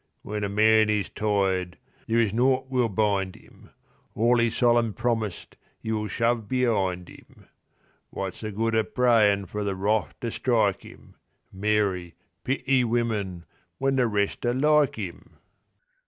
When a man is tired there is naught will bind 'im; All 'e solemn promised 'e will shove be'ind 'im. What's the good o' prayin' for The Wrath to strike 'im(Mary, pity women!), when the rest are like 'im?